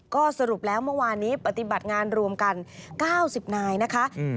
ก็สรุปแล้วเมื่อวานี้ปฏิบัติงานรวมกันเก้าสิบนายนะคะอืม